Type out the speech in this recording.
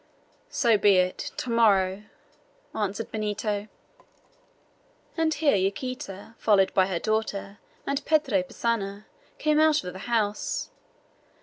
"So be it! To morrow!" answered Benito. And here Yaquita, followed by her daughter and Padre Passanha, came out of the house.